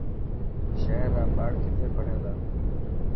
شهر را ٻاڙ کٿي پڙهي ٿا.